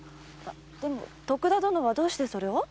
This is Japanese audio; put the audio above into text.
徳田殿はどうしてそれを？